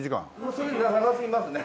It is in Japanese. それ長すぎますね。